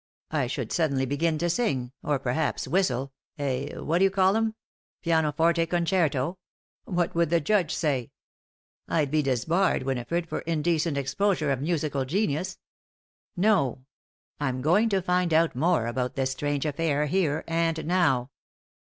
I should suddenly begin to sing or perhaps whistle a what d'you call'em? pianoforte concerto what would the judge say? I'd be disbarred, Winifred, for indecent exposure of musical genius. No; I'm going to find out more about this strange affair here and now."